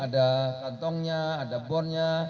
ada kantongnya ada bondnya